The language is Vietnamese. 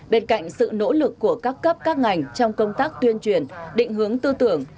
bên cạnh sự nỗ lực của các cấp các ngành trong công tác tuyên truyền định hướng tư tưởng